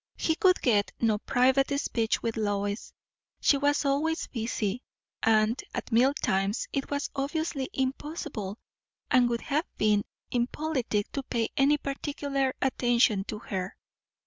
He could get no private speech with Lois. She was always "busy;" and at meal times it was obviously impossible, and would have been impolitic, to pay any particular attention to her.